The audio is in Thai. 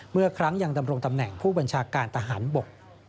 เมื่อครั้งยังดำรงตำแหน่งผู้บัญชาการทหารบก